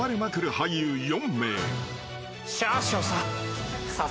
俳優４名］